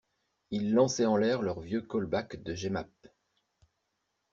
Ils lançaient en l'air leurs vieux colbacks de Jemapes.